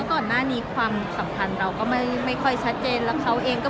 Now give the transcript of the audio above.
แล้วกิโยนแนะนำเขารู้กับเพื่อนกับน้องว่าไง